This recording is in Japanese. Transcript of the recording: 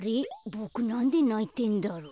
ボクなんでないてんだろう。